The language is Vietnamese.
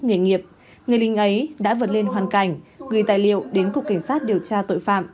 nghề nghiệp người lính ấy đã vượt lên hoàn cảnh gửi tài liệu đến cục cảnh sát điều tra tội phạm